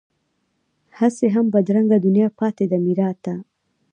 هسې هم بدرنګه دنیا پاتې ده میراته